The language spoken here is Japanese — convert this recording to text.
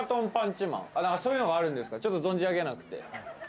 そういうのがあるんですかちょっと存じ上げなくて。